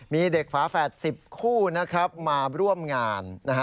มีเด็กฝาแฝด๑๐คู่มาร่วมงาน